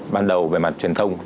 ban đầu về mặt truyền thông